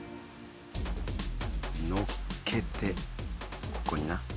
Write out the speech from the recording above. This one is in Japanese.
のっけてここにな。